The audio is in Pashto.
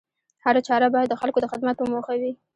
هره چاره بايد د خلکو د خدمت په موخه وي